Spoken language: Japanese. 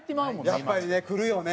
やっぱりねくるよね。